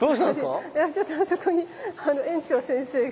ちょっとそこに園長先生が。